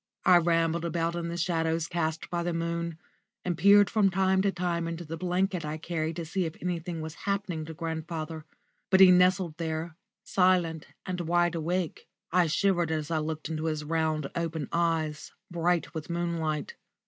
I rambled about in the shadows cast by the moon, and peeped from time to time into the blanket I carried to see if anything was happening to grandfather; but he nestled there, silent and wide awake. I shivered as I looked into his round, open eyes, bright with moonlight.